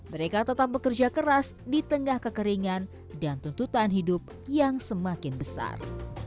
mereka tetap bekerja keras di tengah kekeringan dan tuntutan hidup yang semakin besar